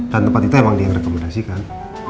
dan tempat itu emang dia yang rekomendasikan